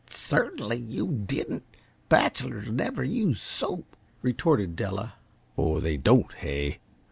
"Certainly, you didn't. Bachelors never use soap," retorted Della. "Oh, they don't, hey?